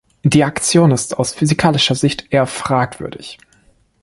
Die Aktion ist aus physikalischer Sicht eher fragwürdig.